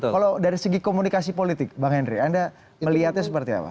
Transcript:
kalau dari segi komunikasi politik bang henry anda melihatnya seperti apa